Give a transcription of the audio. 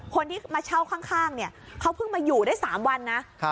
คนที่มาเช่าข้างเนี่ยเขาเพิ่งมาอยู่ได้๓วันนะ